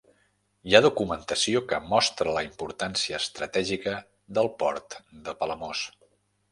Hi ha documentació que mostra la importància estratègica del port de Palamós.